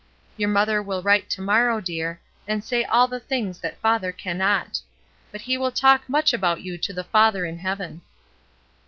Your mother will write to morrow, dear, and say all the things that father cannot; but he wiU talk much about you to the Father in heaven."